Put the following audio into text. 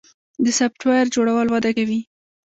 د سافټویر جوړول وده کوي